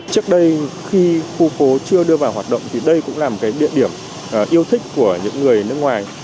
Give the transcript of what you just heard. trước đây khi khu phố chưa đưa vào hoạt động thì đây cũng là một cái địa điểm yêu thích của những người nước ngoài